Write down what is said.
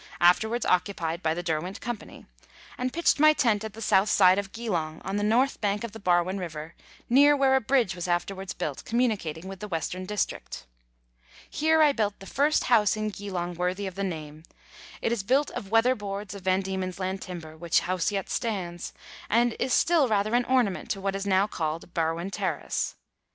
afterwards occupied by the Derweiit Co., and pitched my tent at the south side of Geelong, on the north bank of the Barwon River, near where a bridge was afterwards built communicating with the Western District. Here I built the first house in Geelong worthy of the name ; it is built of weatherboards of Van Diemen's Land timber, which house yet stands, and is still rather an ornament to what is now called Barwon Terrace.